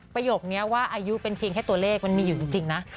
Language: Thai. ประโยคนี้ว่าอายุเป็นเพียงแค่ตัวเลขมันมีอยู่จริงนะ